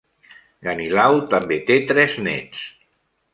Ganilau també té tres nets.